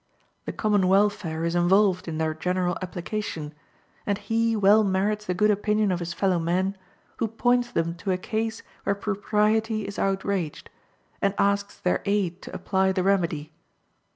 The common welfare is involved in their general application, and he well merits the good opinion of his fellow men who points them to a case where propriety is outraged, and asks their aid to apply the remedy.